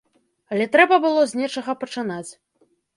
Але трэба было з нечага пачынаць.